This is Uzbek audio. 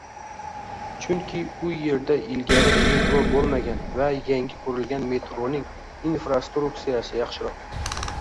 Chunki u yerda ilgari metro boʻlmagan va yangi qurilgan metroning infrastrukturasi yaxshiroq.